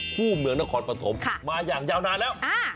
คู่เมืองนครปฐมมาอย่างยาวนานแล้ว